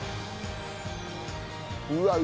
うわっ！